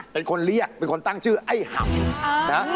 เป็นคนเรียกเป็นคนตั้งชื่อไอ้ห่ำนะ